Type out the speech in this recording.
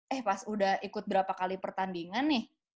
eh pas udah ikut berapa kali pertandingan nih